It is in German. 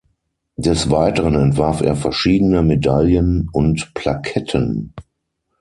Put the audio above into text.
Des Weiteren entwarf er verschiedene Medaillen und Plaketten.